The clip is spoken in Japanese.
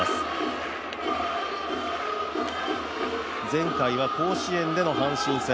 前回は甲子園での阪神戦。